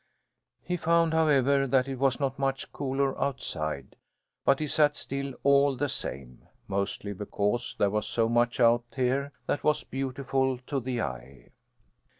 He found, however, that it was not much cooler outside, but he sat still all the same, mostly because there was so much out here that was beautiful to the eye.